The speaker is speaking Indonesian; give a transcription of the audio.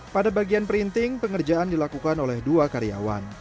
pada bagian printing pengerjaan dilakukan oleh dua karyawan